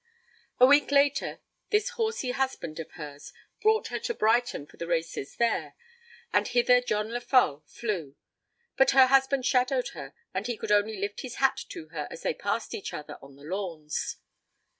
A week later this horsey husband of hers brought her on to Brighton for the races there, and hither John Lefolle flew. But her husband shadowed her, and he could only lift his hat to her as they passed each other on the Lawns.